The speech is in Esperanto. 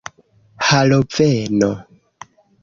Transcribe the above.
haloveno